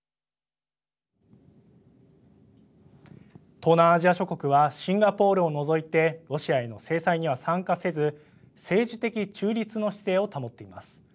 東南アジア諸国はシンガポールを除いてロシアへの制裁には参加せず政治的中立の姿勢を保っています。